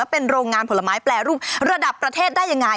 เป็นโรงงานผลไม้แปลรูประเภทได้อย่างไร